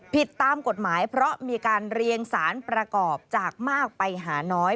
ผิดตามกฎหมายเพราะมีการเรียงสารประกอบจากมากไปหาน้อย